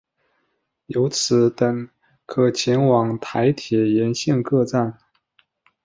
由此等可前往台铁沿线各站。